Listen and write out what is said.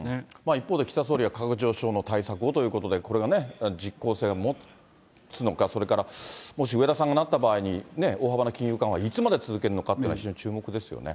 一方で、岸田総理は価格上昇の対策をということで、これがね、実効性を持つのか、それからもし植田さんがなった場合に、大幅な金融緩和、いつまで続けるのかっていうのは、非常に注目ですよね。